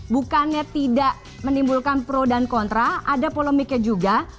bukannya tidak menimbulkan pro dan kontra ada polemiknya juga